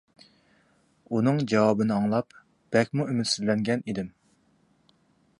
ئۇنىڭ جاۋابىنى ئاڭلاپ بەكمۇ ئۈمىدسىزلەنگەن ئىدىم.